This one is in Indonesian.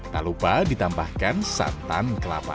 tak lupa ditambahkan santan kelapa